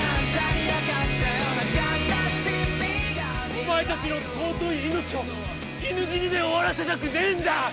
お前たちの尊い命を犬死にで終わらせたくねぇんだ！